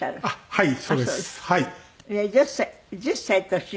はい。